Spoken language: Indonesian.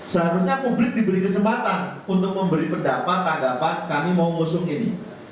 seharusnya publik diberi kesempatan untuk memberi pendapat tanggapan kami mau ngusung ini